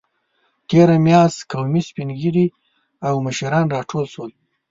تېره میاشت قومي سپینږیري او مشران راټول شول.